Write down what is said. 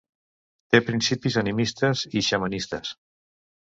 Té principis animistes i xamanistes.